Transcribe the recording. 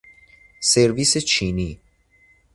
سرویس چینی